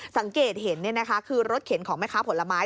สังเกตเห็นคือรถเข็นของแม่ค้าผลไม้